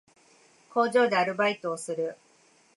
工場でアルバイトをする